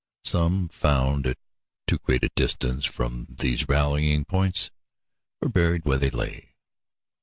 Some, found at too great a distance from these rallying points, were buried where they lay.